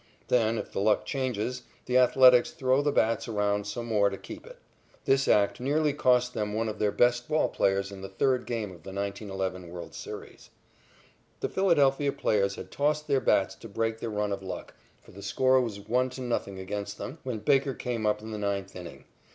Then, if the luck changes, the Athletics throw the bats around some more to keep it. This act nearly cost them one of their best ball players in the third game of the 1911 world's series. The Philadelphia players had tossed their bats to break their run of luck, for the score was 1 to 0 against them, when Baker came up in the ninth inning.